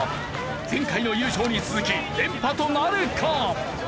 前回の優勝に続き連覇となるか？